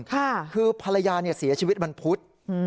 ค่ะคือภรรยาเนี่ยเสียชีวิตวันพุฒิอืม